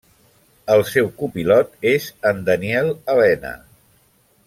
El seu copilot és en Daniel Elena.